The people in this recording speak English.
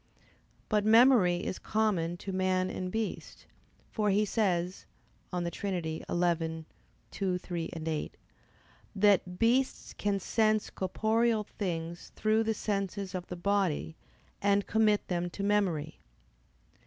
But memory is common to man and beast, for he says (De Trin. xii, 2, 3, 8) that "beasts can sense corporeal things through the senses of the body, and commit them to memory."